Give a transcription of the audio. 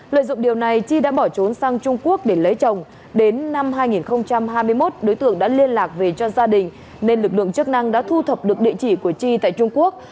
lợi dụng điều này chi đã bỏ trốn sang trung quốc để lấy chồng đến năm hai nghìn hai mươi một đối tượng đã liên lạc về cho gia đình nên lực lượng chức năng đã thu thập được địa chỉ của chi tại trung quốc